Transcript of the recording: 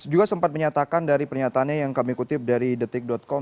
juga sempat menyatakan dari pernyataannya yang kami kutip dari detik com